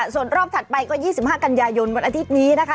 ส่วนรอบถัดไปก็๒๕กันยายนวันอาทิตย์นี้นะคะ